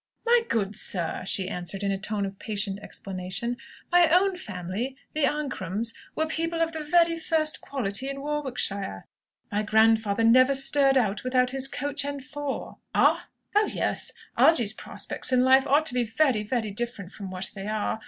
"My good sir!" she answered, in a tone of patient explanation, "my own family, the Ancrams, were people of the very first quality in Warwickshire. My grandfather never stirred out without his coach and four!" "Ah!" "Oh, yes, Algy's prospects in life ought to be very, very different from what they are.